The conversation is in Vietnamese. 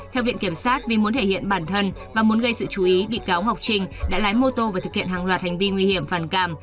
theo viện kiểm sát vì muốn thể hiện bản thân và muốn gây sự chú ý bị cáo ngọc trinh đã lái mô tô và thực hiện hàng loạt hành vi nguy hiểm phản cảm